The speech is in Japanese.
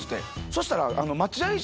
そしたら。